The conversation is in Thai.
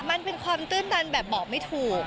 มันเป็นความตื้นตันแบบบอกไม่ถูก